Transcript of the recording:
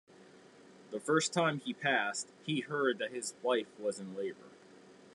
The first time he passed, he heard that his wife was in labor.